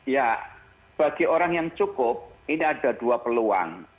ya bagi orang yang cukup ini ada dua peluang